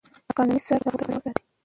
قانوني څار د واک توازن ساتي.